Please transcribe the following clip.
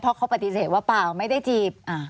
เพราะเขาปฏิเสธว่าเปล่าไม่ได้จีบ